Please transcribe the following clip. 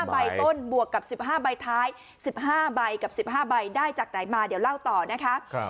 ใบต้นบวกกับ๑๕ใบท้าย๑๕ใบกับ๑๕ใบได้จากไหนมาเดี๋ยวเล่าต่อนะคะ